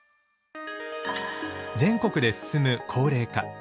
全国で進む高齢化。